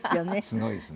すごいですね。